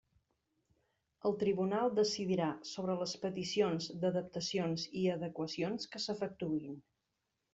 El Tribunal decidirà sobre les peticions d'adaptacions i adequacions que s'efectuïn.